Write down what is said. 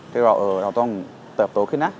ที่เราต้องเติบโตขึ้นนะ